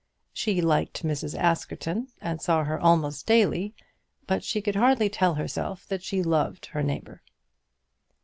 She liked Mrs. Askerton, and saw her almost daily; but she could hardly tell herself that she loved her neighbour.